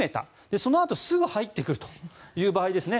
そのあとすぐに入ってくるという場合ですね。